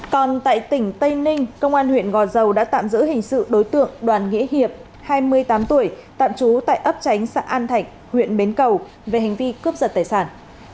còn tại tỉnh tây ninh công an huyện gò dầu đã tạm giữ hình sự đối tượng đoàn nghĩa hiệp hai mươi tám tuổi tạm trú tại ấp tránh xã an thạnh huyện bến cầu về hành vi cướp giật tài sản